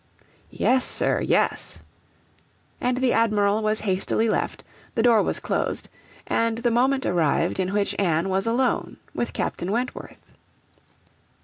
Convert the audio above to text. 'Yes, sir, yes.' And the Admiral was hastily left, the door was closed, and the moment arrived in which Anne was alone with Captain Wentworth.